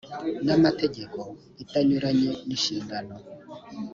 n amategeko itanyuranye n inshingano